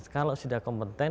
kalau sudah kompeten